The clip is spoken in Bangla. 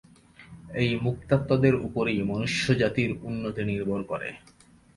এই মুক্তাত্মাদের উপরেই মনুষ্যজাতির উন্নতি নির্ভর করে।